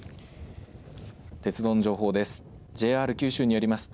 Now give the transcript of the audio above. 鉄道の情報です。